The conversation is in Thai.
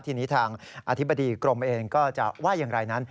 ทีนี้ทางอธิบดีกรมเองก็จะว่าอย่างไรนั้น